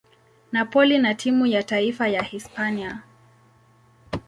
Napoli na timu ya taifa ya Hispania.